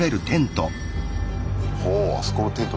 ほうあそこのテント